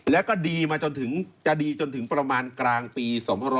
แล้วก็จะดีจนถึงประมาณกลางปี๒๖๐